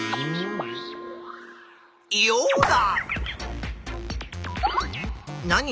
ヨウダ！